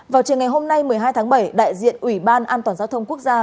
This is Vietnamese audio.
vào chiều ngày hôm nay một mươi hai tháng bảy đại diện ủy ban an toàn giao thông quốc gia